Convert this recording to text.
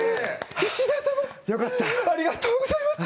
石田様、ありがとうございます。